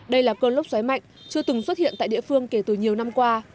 đây là cơn lốc xoáy mạnh chưa từng xuất hiện tại địa phương kể từ nhiều năm qua